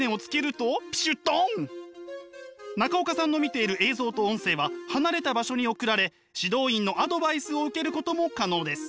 中岡さんの見ている映像と音声は離れた場所に送られ指導員のアドバイスを受けることも可能です。